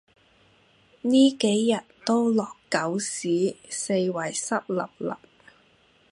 呢幾日都落狗屎，四圍濕 𣲷𣲷